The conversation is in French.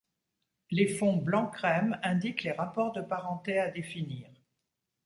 Les fonds blanc crème indiquent les rapports de parenté à définir.